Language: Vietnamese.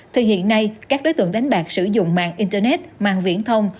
thì hiện nay các đối tượng đánh bạc sử dụng mạng internet mạng viễn thông